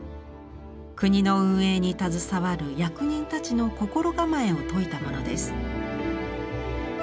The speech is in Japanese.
国の運営に携わる役人たちの心構えを説いたものです。